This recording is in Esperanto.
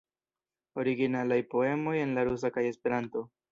Originalaj poemoj en la rusa kaj Esperanto.